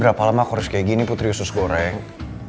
berapa lama aku harus kayak gini putri usus goreng